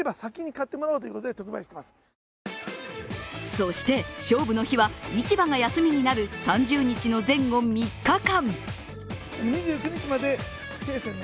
そして勝負の日は市場が休みになる３０日の前後３日間。